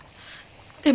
でも。